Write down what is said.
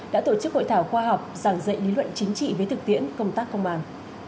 đã tổ chức hội thảo khoa học giảng dạy lý luận chính trị với thực tiễn công tác công an